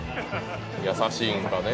「優しいんかねぇ」